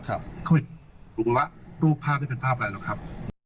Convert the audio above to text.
เขาไม่รู้ว่ารูปภาพจะเป็นภาพอะไรหรอกครับ